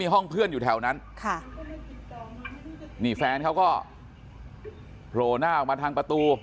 ห้องเพื่อนอยู่แถวนั้นค่ะนี่แฟนเขาก็โผล่หน้าออกมาทางประตู